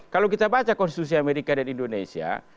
kalau kita baca konstitusi amerika dan indonesia